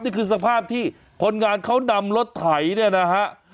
นี่คือสภาพที่คนงานเขานำรถไถเนี่ยนะฮะ